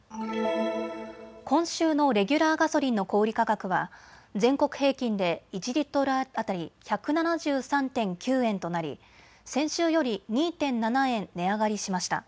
今週のレギュラーガソリンの小売価格は全国平均で１リットル当たり１７３．９円となり先週より２．７円値上がりしました。